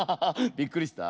びっくりした？